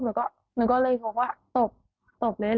มึงก็เลยคงว่าตบเลยหรอ